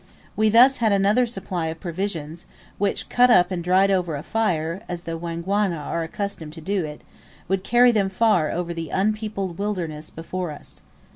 We thus had another supply of provisions, which, cut up and dried over a fire, as the Wangwana are accustomed to do, would carry them far over the unpeopled wilderness before us.